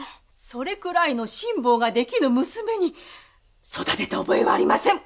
それくらいの辛抱ができぬ娘に育てた覚えはありません。